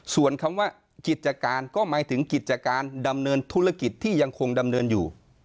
ส่วนคำว่ากิจการก็หมายถึงกิจการดำเนินธุรกิจที่ยังคงดำเนินอยู่